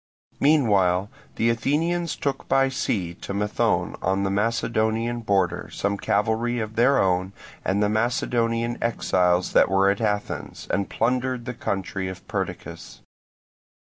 Meanwhile the Athenians took by sea to Methone on the Macedonian border some cavalry of their own and the Macedonian exiles that were at Athens, and plundered the country of Perdiccas.